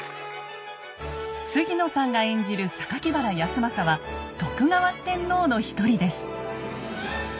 杉野さんが演じる原康政は徳川四天王の一人です。